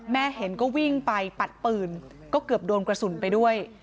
เห็นก็วิ่งไปปัดปืนก็เกือบโดนกระสุนไปด้วย